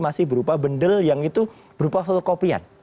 masih berupa bendel yang itu berupa fotokopian